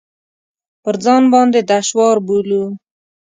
پر ځان باندې دشوار بولو.